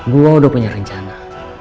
gue udah punya rencana